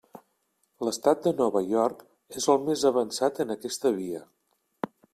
L'estat de Nova York és el més avançat en aquesta via.